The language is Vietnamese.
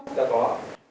dạ có ạ